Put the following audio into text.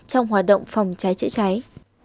trong hoạt động phòng cháy chữa cháy